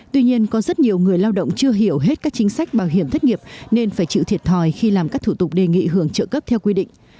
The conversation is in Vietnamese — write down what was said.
tuy nhiên có rất nhiều người lao động chưa hiểu hết các chính sách bảo hiểm thất nghiệp nên phải chịu thiệt thòi khi làm các thủ tục đề nghị hưởng trợ cấp theo quy định